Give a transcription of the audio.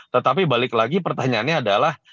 tetapi balik lagi pertanyaannya adalah